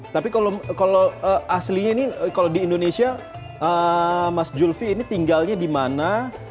tapi kalau aslinya ini kalau di indonesia mas zulfi ini tinggalnya di mana